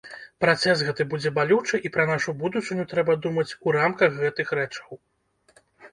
Працэс гэты будзе балючы і пра нашу будучыню трэба думаць у рамках гэтых рэчаў.